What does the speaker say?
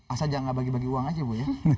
asal jangan bagi bagi uang aja ibu ya